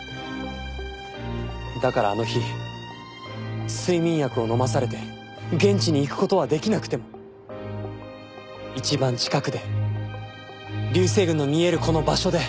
だからあの日睡眠薬を飲まされて現地に行く事はできなくても一番近くで流星群の見えるこの場所で。